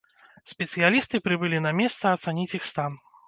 Спецыялісты прыбылі на месца ацаніць іх стан.